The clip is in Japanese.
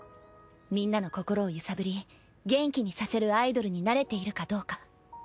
みんなの心を揺さぶり元気にさせるアイドルになれているかどうか。